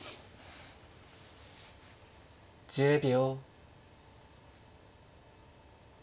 １０秒。